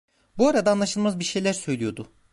Bu arada anlaşılmaz bir şeyler söylüyordu.